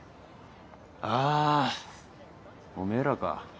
あおめえらか。